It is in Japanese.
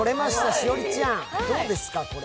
栞里ちゃん、どうですか、これ？